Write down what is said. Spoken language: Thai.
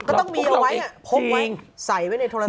ก็ต้องมีเอาไว้พกไว้ใส่ไว้ในโทรศ